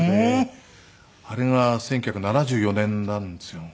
あれが１９７４年なんですよ。